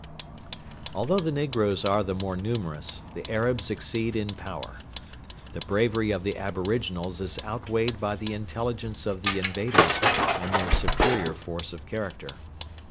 Although the negroes are the more numerous, the Arabs exceed in power. The bravery of the aboriginals is outweighed by the intelligence of the invaders and their superior force of character.